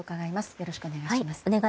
よろしくお願いします。